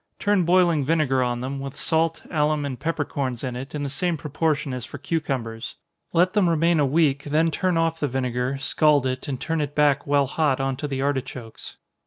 Turn boiling vinegar on them, with salt, alum, and peppercorns in it, in the same proportion as for cucumbers. Let them remain a week, then turn off the vinegar, scald it, and turn it back while hot on to the artichokes.